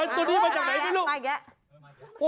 ตัวนี้มาจากไหนไม่รู้